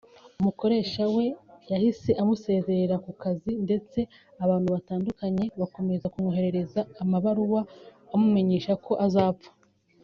umukoresha we yahise amusezerera ku kazi ndetse abantu batandukanye bakomeje kumwoherereza amabaruwa amumenyesha ko azapfa